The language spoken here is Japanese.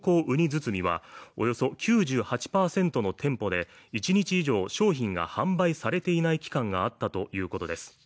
包みはおよそ９８％の店舗で一日以上商品が販売されていない期間があったということです。